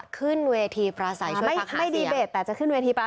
ขึ้นเวที่ประขายเขาบอกว่า